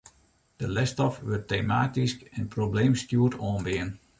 De lesstof wurdt tematysk en probleemstjoerd oanbean.